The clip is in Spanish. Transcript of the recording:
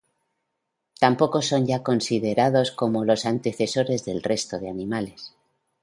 Tampoco son ya considerados como los antecesores del resto de animales.